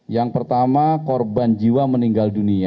yang pertama korban jiwa meninggal dunia